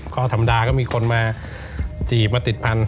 ก็ธรรมดาก็มีคนมาจีบมาติดพันธ